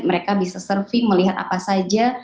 mereka bisa surfing melihat apa saja